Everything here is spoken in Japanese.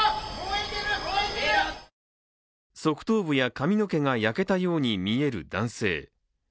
側頭部や髪の毛が焼けたようにみえる男性。